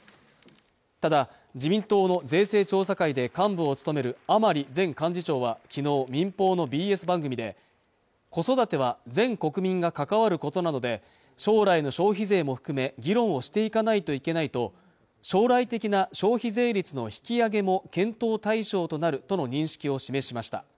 ただ自民党の税制調査会で幹部を務める甘利前幹事長は昨日民放のＢＳ番組で子育ては全国民が関わることなので将来の消費税も含め議論をしていかないといけないと将来的な消費税率の引き上げも検討対象となるとの認識を示しました